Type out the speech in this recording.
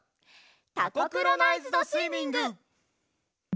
「タコクロナイズドスイミング」！